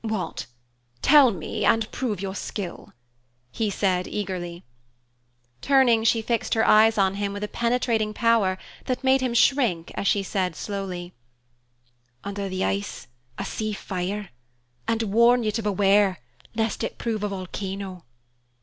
"What? Tell me and prove your skill," he said eagerly. Turning, she fixed her eyes on him with a penetrating power that made him shrink as she said slowly, "Under the ice I see fire, and warn you to beware lest it prove a volcano."